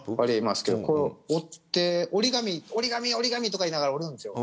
これを折って、折り紙折り紙とか言いながら折るんですよ。